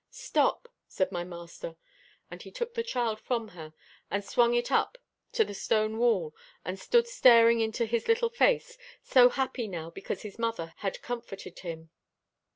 "Stop," said my master, and he took the child from her and swung it up to the stone wall, and stood staring into his little face, so happy now because his mother had comforted him.